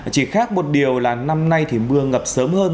chỉ khác một điều là năm nay thì mưa ngập sớm hơn